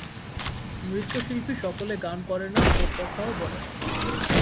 নৃত্যশিল্পী সকলে গান করে না ও কথাও বলে না।